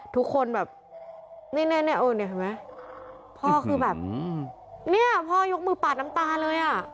ทุกคนแบบเนี่ยพ่อคือแบบเนี่ยพ่อยกมือปาดน้ำตาเลยอะ